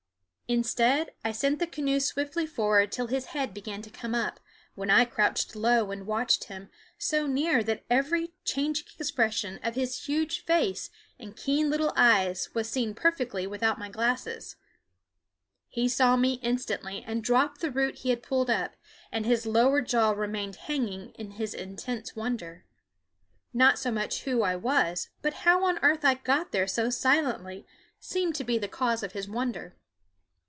Instead I sent the canoe swiftly forward till his head began to come up, when I crouched low and watched him, so near that every changing expression of his huge face and keen little eyes was seen perfectly without my glasses. He saw me instantly and dropped the root he had pulled up, and his lower jaw remained hanging in his intense wonder. Not so much who I was, but how on earth I got there so silently seemed to be the cause of his wonder.